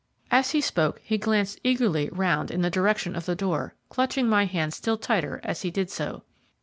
As he spoke he glanced eagerly round in the direction of the door, clutching my hand still tighter as he did so.